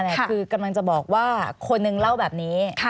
คือกำลังจะบอกว่าคนนึงเล่าแบบนี้